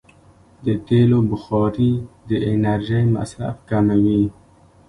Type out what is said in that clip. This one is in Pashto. د تېلو بخاري د انرژۍ مصرف کموي.